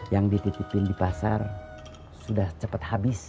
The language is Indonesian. yang dititipin di pasar sudah cepat habis